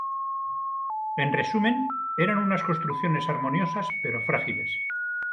En resumen, eran unas construcciones armoniosas pero frágiles.